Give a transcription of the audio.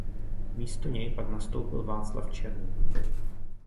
Místo něj pak nastoupil Václav Černý.